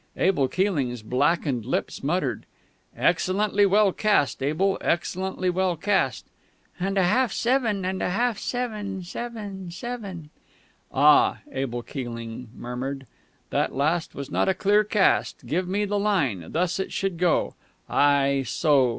Abel Keeling's blackened lips muttered: "Excellently well cast, Abel, excellently well cast!" "_And a half seven and a half seven seven seven _" "Ah," Abel Keeling murmured, "that last was not a clear cast give me the line thus it should go ... ay, so....